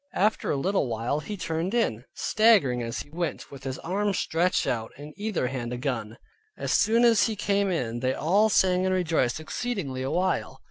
After a little while he turned in, staggering as he went, with his arms stretched out, in either hand a gun. As soon as he came in they all sang and rejoiced exceedingly a while.